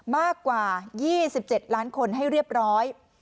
มากกว่า๒๗ล้านคนให้เรียบร้อย